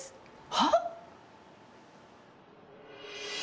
はっ？